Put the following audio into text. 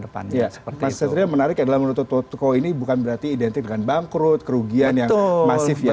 mas satrio yang menarik adalah menutup toko ini bukan berarti identik dengan bangkrut kerugian yang masif ya